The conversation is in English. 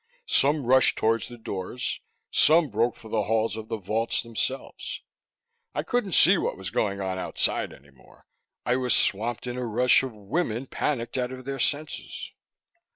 Some rushed toward the doors; some broke for the halls of the vaults themselves. I couldn't see what was going on outside any more. I was swamped in a rush of women panicked out of their senses.